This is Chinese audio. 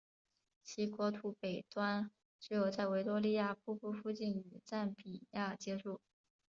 其国土北端只有在维多利亚瀑布附近与赞比亚接触。